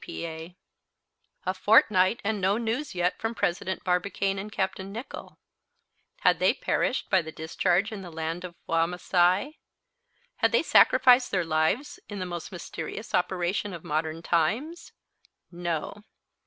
P.P.A. A fortnight and no news yet from President Barbicane and Capt. Nicholl. Had they perished by the discharge in the land of Wamasai? Had they sacrificed their lives in the most mysterious operation of modern times? No.